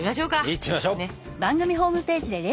いってみましょう。